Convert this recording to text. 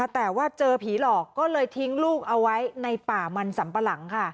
แต่ว่าเจอผีหลอกก็เลยทิ้งลูกเอาไว้ในป่ามันสัมปะหลัง